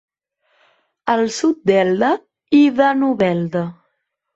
Al sud d'Elda i de Novelda.